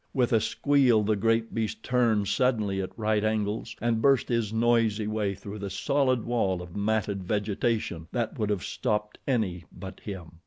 With a squeal the great beast turned suddenly at right angles and burst his noisy way through the solid wall of matted vegetation that would have stopped any but him.